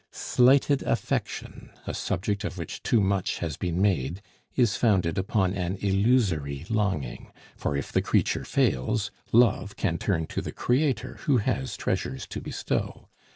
Slighted affection, a subject of which too much has been made, is founded upon an illusory longing; for if the creature fails, love can turn to the Creator who has treasures to bestow.